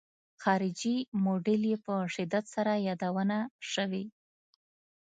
خارجي موډل یې په شدت سره یادونه شوې.